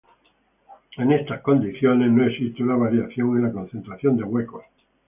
En estas condiciones, no existe una variación en la concentración de huecos.